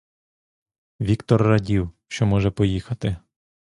Віктор радів, що може поїхати.